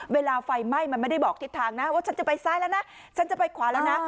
เวลาไฟไหม้มันไม่ได้บอกทิศทางนะว่าฉันจะไปซ้ายแล้วนะฉันจะไปขวาแล้วนะ